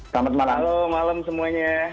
halo malam semuanya